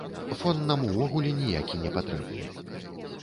Фон нам увогуле ніякі не патрэбны.